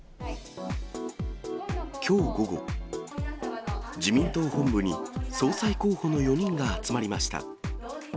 きょう午後、自民党本部に、総裁候補の４人が集まりました。